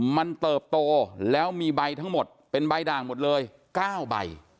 มันเติบโตแล้วมีใบทั้งหมดเป็นใบด่างหมดเลย๙ใบ